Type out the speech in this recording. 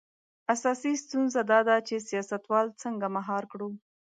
اساسي ستونزه دا ده چې سیاستوال څنګه مهار کړو.